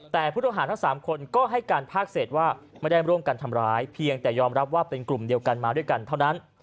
แต่ผู้ต้องหาทั้ง๓คนก็ให้การภาคเศษว่าไม่ได้ร่วมกันทำร้ายเพียงแต่ยอมรับว่าเป็นกลุ่มเดียวกันมาด้วยกันเท่านั้น